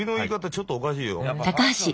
ちょっとおかしいよ。